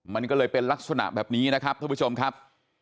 มันก็เลยเป็นลักษณะแบบนี้นะครับท่านผู้ชมครับ